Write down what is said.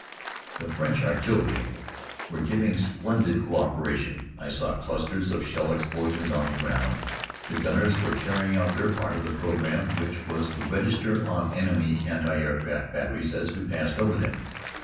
The French artillery were giving splendid coöperation. I saw clusters of shell explosions on the ground. The gunners were carrying out their part of the programme, which was to register on enemy anti aircraft batteries as we passed over them.